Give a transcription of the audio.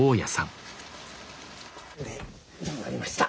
でどうなりました？